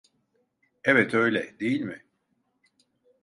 Evet, öyle, değil mi?